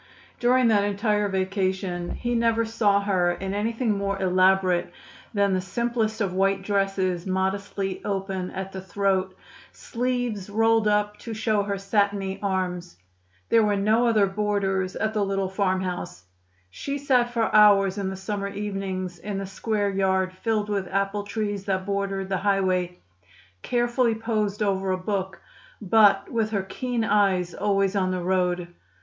During that entire vacation he never saw her in anything more elaborate than the simplest of white dresses modestly open at the throat, sleeves rolled up to show her satiny arms. There were no other boarders at the little farmhouse. She sat for hours in the summer evenings in the square yard filled with apple trees that bordered the highway, carefully posed over a book, but with her keen eyes always on the road.